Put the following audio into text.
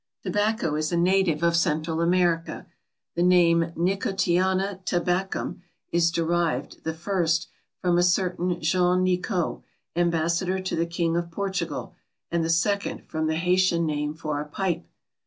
Tobacco is a native of Central America. The name Nicotiana tabacum is derived (the first) from a certain Jean Nicot, Ambassador to the King of Portugal, and the second from the Haytian name for a pipe.